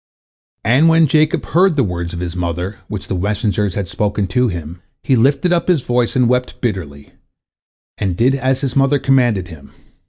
And when Jacob heard the words of his mother which the messengers had spoken to him, he lifted up his voice and wept bitterly, and did as his mother commanded him.